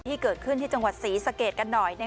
ที่เกิดขึ้นที่จังหวัดศรีสะเกดกันหน่อย